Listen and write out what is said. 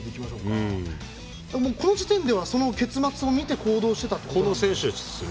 この時点でこの結末を見て行動していたんですね。